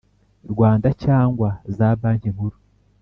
Rwanda cyangwa za Banki Nkuru